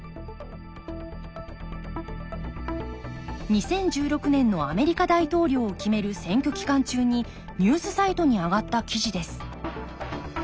２０１６年のアメリカ大統領を決める選挙期間中にニュースサイトに上がった記事です